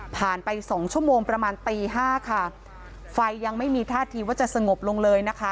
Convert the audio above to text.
ไปสองชั่วโมงประมาณตีห้าค่ะไฟยังไม่มีท่าทีว่าจะสงบลงเลยนะคะ